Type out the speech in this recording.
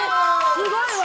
すごいわ！